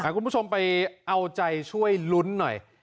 คุณผู้ชมไปเอาใจช่วยลุ้นหน่อย